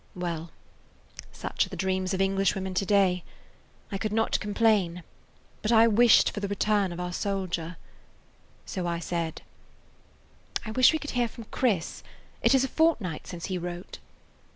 '" Well, such are the dreams of English women to day. I could not complain, but I wished for the return of our soldier. So I said: [Page 9] "I wish we could hear from Chris. It is a fortnight since he wrote."